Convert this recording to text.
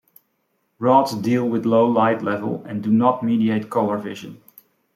Rods deal with low light level and do not mediate color vision.